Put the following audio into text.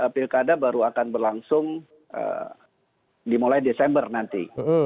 pilkada baru akan berlangsung dimulai desember nanti